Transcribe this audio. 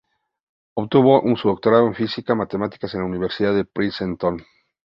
Obtuvo su doctorado en Física matemática en la Universidad de Princeton.